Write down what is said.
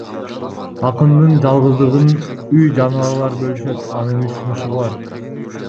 Акындын жалгыздыгын үй жаныбарлары бөлүшөт — анын үч мышыгы бар.